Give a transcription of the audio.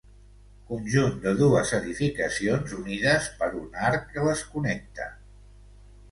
Conjunt de dues edificacions unides per un arc que les connecta.